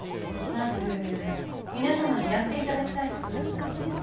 まず皆さまにやっていただきたいことがあります。